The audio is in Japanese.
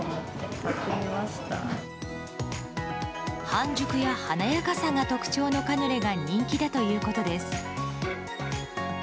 半熟や華やかさが特徴のカヌレが人気だということです。